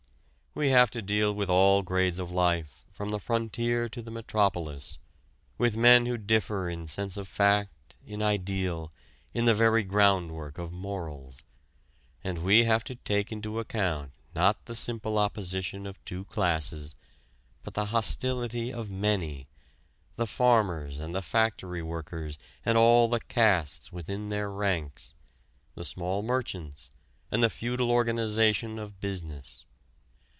We have to deal with all grades of life from the frontier to the metropolis, with men who differ in sense of fact, in ideal, in the very groundwork of morals. And we have to take into account not the simple opposition of two classes, but the hostility of many, the farmers and the factory workers and all the castes within their ranks, the small merchants, and the feudal organization of business.